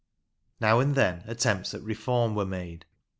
Now and then attempts at reform were made.